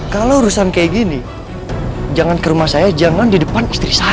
kalau urusan kayak gini jangan ke rumah saya jangan di depan istri saya